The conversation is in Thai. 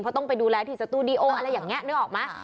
เพราะต้องไปดูแลที่สตูดิโออะไรอย่างนี้นึกออกไหม